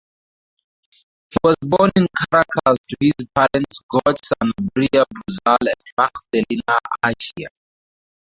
He was born in Caracas to his parents Gorge Sanabria Bruzal and Magdalena Arcia.